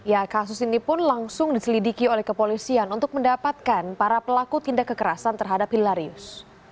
ya kasus ini pun langsung diselidiki oleh kepolisian untuk mendapatkan para pelaku tindak kekerasan terhadap hilarius